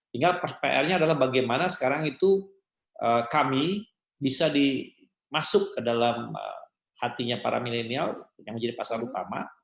tinggal pr nya adalah bagaimana sekarang itu kami bisa dimasuk ke dalam hatinya para milenial yang menjadi pasar utama